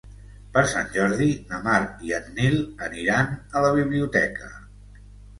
Per Sant Jordi na Mar i en Nil aniran a la biblioteca.